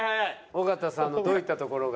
尾形さんのどういったところが？